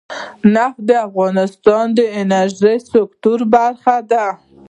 نفت د افغانستان د انرژۍ سکتور برخه ده.